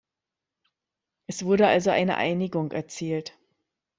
Es wurde also eine Einigung erzielt.